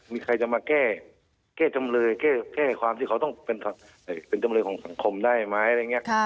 มีใครจะมาแก้แก้จำเลยแก้ความที่เขาต้องเป็นจำเลยของสังคมได้ไหม